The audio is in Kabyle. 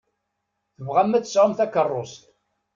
Tembɣam ad tesɛum takeṛṛust.